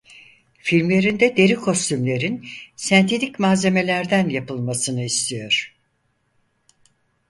Filmlerinde deri kostümlerin sentetik malzemelerden yapılmasını istiyor.